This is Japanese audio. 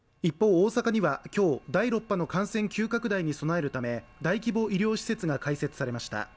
大阪には今日第６波の感染急拡大に備えるため大規模医療施設が開設されました